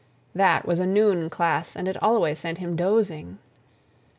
That was a noon class, and it always sent him dozing.